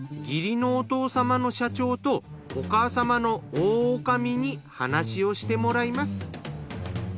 義理のお父様の社長とお母様の大女将に話をしてもらいます。